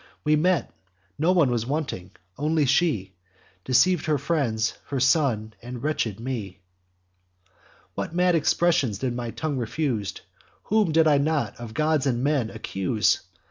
We met: not one was wanting; only she Deceiv'd her friends, her son, and wretched me. "What mad expressions did my tongue refuse! Whom did I not, of gods or men, accuse!